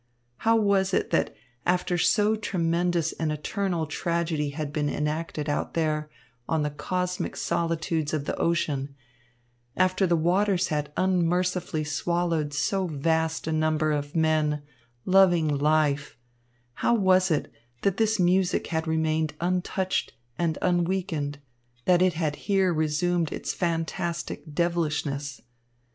How was it that after so tremendous an eternal tragedy had been enacted out there on the cosmic solitudes of the ocean, after the waters had unmercifully swallowed so vast a number of men, loving life how was it that this music had remained untouched and unweakened, that it had here resumed its fantastic devilishness?